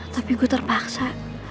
tapi gue terpaksa